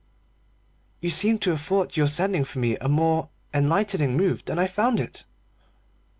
"You seem to have thought your sending for me a more enlightening move than I found it."